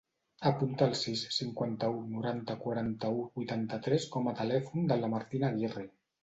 Apunta el sis, cinquanta-u, noranta, quaranta-u, vuitanta-tres com a telèfon de la Martina Agirre.